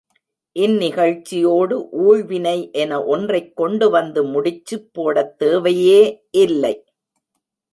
இந்நிகழ்ச்சியோடு ஊழ்வினை என ஒன்றைக் கொண்டு வந்து முடிச்சு போடத் தேவையே இல்லை.